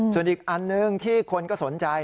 ส่วนอีกอันหนึ่งที่คนก็สนใจ